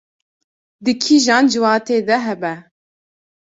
di kîjan ciwatê de hebe